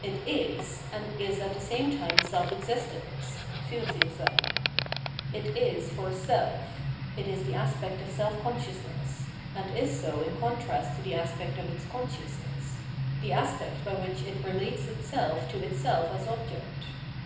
It is ; and is at the same time self existence {Fursichsein). It is for self ; it is the aspect of self consciousness, and is so in contrast to the aspect of its consciousness, the aspect by WThich it relates itself to itself as object.